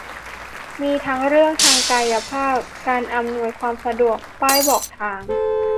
มีทั้งเรื่องทางกายภาพ การอำนวยความสะดวก ป้ายบอกทาง